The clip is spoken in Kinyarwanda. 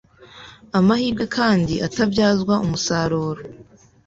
amahirwe knd atabyazwa umusaruro.